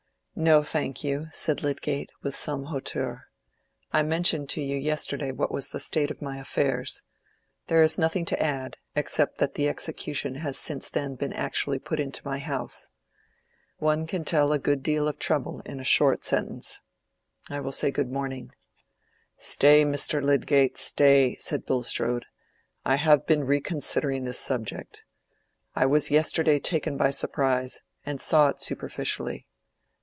"No, thank you," said Lydgate, with some hauteur. "I mentioned to you yesterday what was the state of my affairs. There is nothing to add, except that the execution has since then been actually put into my house. One can tell a good deal of trouble in a short sentence. I will say good morning." "Stay, Mr. Lydgate, stay," said Bulstrode; "I have been reconsidering this subject. I was yesterday taken by surprise, and saw it superficially.